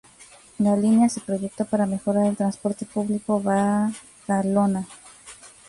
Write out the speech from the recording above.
La línea se proyectó para mejorar el transporte público Badalona.